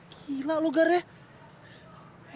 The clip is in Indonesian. gila lu garnya